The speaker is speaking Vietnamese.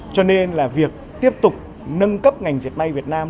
cho nên là việc tiếp tục nâng cấp ngành dệt may việt nam